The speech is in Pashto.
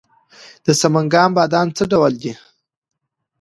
د سمنګان بادام څه ډول دي؟